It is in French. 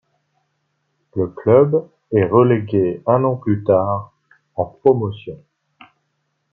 Le club est relégué un an plus tard en Promotion.